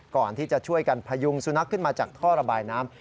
ก่อนที่จะช่วยกันพยุงสุนัขขึ้นมาจากท่อระบายน้ำ